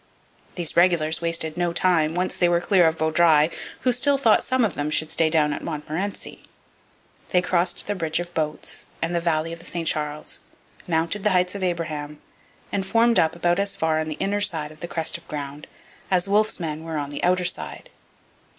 These regulars wasted no time, once they were clear of Vaudreuil, who still thought some of them should stay down at Montmorency. They crossed the bridge of boats and the valley of the St Charles, mounted the Heights of Abraham, and formed up about as far on the inner side of the crest of ground as Wolfe's men were on the outer side.